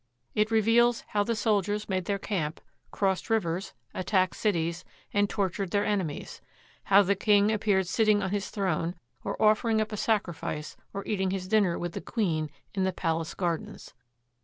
It reveals how the soldiers made their camp, crossed rivers, attacked cities, and tortured their enemies; how the king appeared sitting on his throne or offering up a sacrifice or eating his dinner with the queen in the palace gardens.